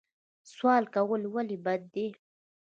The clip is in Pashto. سوال کول ولې بد دي؟